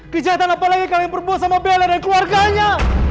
kejahatan apalagi yang kalian perbuah sama bella dan keluarganya